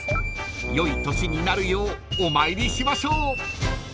［良い年になるようお参りしましょう］